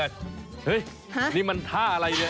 เฮ้ยนี่มันท่าอะไรเนี่ย